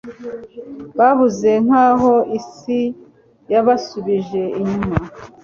Babuze nkaho isi yabasubije inyuma